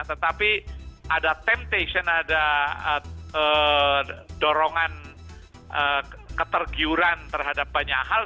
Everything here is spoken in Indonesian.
tapi ada temptation ada dorongan ketergiuran terhadap banyak hal